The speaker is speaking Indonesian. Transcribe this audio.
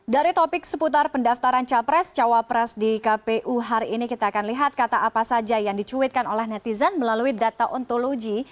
dari topik seputar pendaftaran capres cawapres di kpu hari ini kita akan lihat kata apa saja yang dicuitkan oleh netizen melalui data ontologi